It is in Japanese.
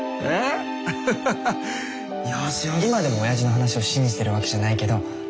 今でもおやじの話を信じてるわけじゃないけど。